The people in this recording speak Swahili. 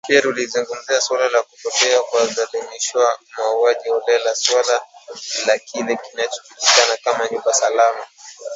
Pia tulizungumzia suala la kupotea kwa kulazimishwa, mauaji holela, suala la kile kinachojulikana kama “nyumba salama”